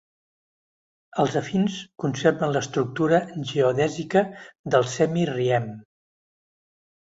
Els afins conserven l'estructura geodèsica del semi Riem.